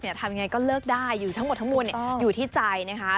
ทำยังไงก็เลิกได้อยู่ทั้งหมดทั้งมวลอยู่ที่ใจนะคะ